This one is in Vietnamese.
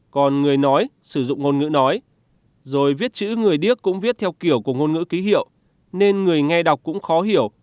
còn người nói sử dụng ngôn ngữ nói rồi viết chữ người điếc cũng viết theo kiểu của ngôn ngữ ký hiệu nên người nghe đọc cũng khó hiểu